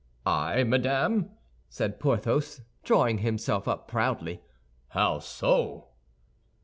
"I, madame?" said Porthos, drawing himself up proudly; "how so?"